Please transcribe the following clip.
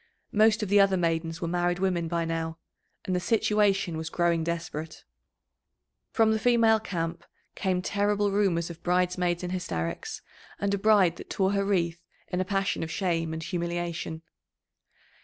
Most of the other maidens were married women by now, and the situation was growing desperate. From the female camp came terrible rumours of bridesmaids in hysterics, and a bride that tore her wreath in a passion of shame and humiliation.